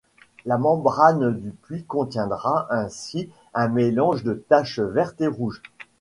La membrane du puits contiendra ainsi un mélange de taches vertes et rouges.